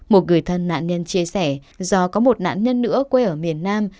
một người thân nạn nhân chia sẻ do có một nạn nhân nữa quê ở miền nam